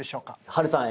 波瑠さん